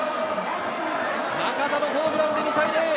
中田のホームランで２対０。